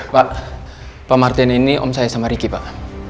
pak martin ini om saya sama riki pak